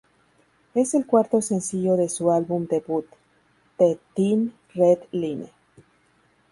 Es el cuarto sencillo de su álbum debut "The Thin Red Line".